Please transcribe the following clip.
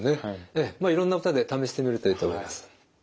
ええいろんな歌で試してみるといいと思います。